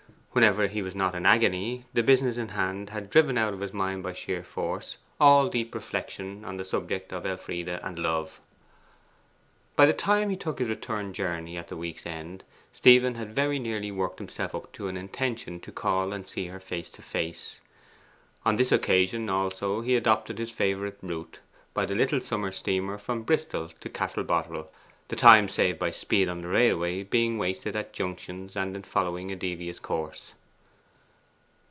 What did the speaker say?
Whenever he was not in agony, the business in hand had driven out of his mind by sheer force all deep reflection on the subject of Elfride and love. By the time he took his return journey at the week's end, Stephen had very nearly worked himself up to an intention to call and see her face to face. On this occasion also he adopted his favourite route by the little summer steamer from Bristol to Castle Boterel; the time saved by speed on the railway being wasted at junctions, and in following a devious course.